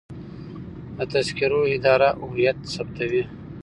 د تذکرو اداره هویت ثبتوي